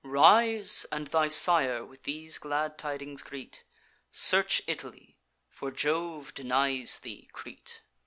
Rise, and thy sire with these glad tidings greet. Search Italy; for Jove denies thee Crete.